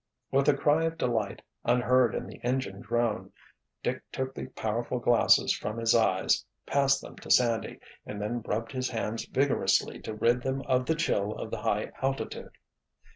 With a cry of delight, unheard in the engine drone, Dick took the powerful glasses from his eyes, passed them to Sandy and then rubbed his hands vigorously to rid them of the chill of the high altitude.